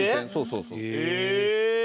そうそう。